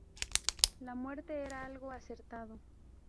La muerte era algo acertado.